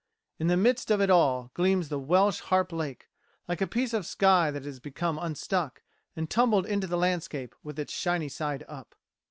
In the midst of it all, gleams the Welsh Harp Lake, like a piece of sky that has become unstuck and tumbled into the landscape with its shiny side up."